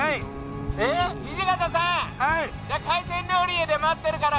土方さん海鮮料理で待ってるから。